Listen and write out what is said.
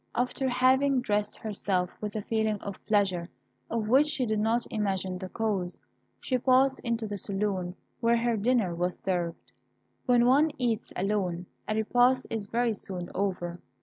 After having dressed herself with a feeling of pleasure of which she did not imagine the cause, she passed into the saloon, where her dinner was served. When one eats alone, a repast is very soon over.